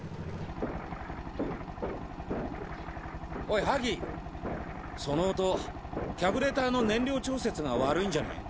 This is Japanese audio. おいハギその音キャブレターの燃料調節が悪いんじゃね？